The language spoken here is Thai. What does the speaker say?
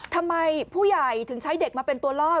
ทำไมผู้ใหญ่ถึงใช้เด็กมาเป็นตัวรอด